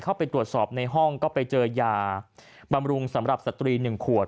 เข้าไปตรวจสอบในห้องก็ไปเจอยาบำรุงสำหรับสตรี๑ขวด